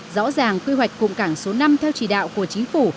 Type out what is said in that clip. rõ ràng quy hoạch cụm cảng số năm theo chỉ đạo của chính phủ